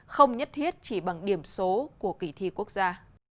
không nhất thiết chỉ bằng điểm số của kỳ thi quốc gia